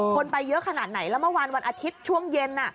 คนไปเยอะขนาดไหนแล้วเมื่อวานวันอาทิตย์ช่วงเย็น